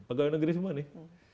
pegawai negeri semua nih